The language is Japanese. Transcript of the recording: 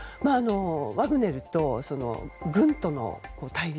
ワグネルと軍との対立